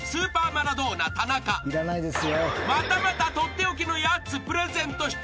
［またまた取って置きのやつプレゼントしちゃいます］